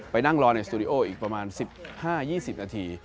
นั่งรอในสตูดิโออีกประมาณ๑๕๒๐นาที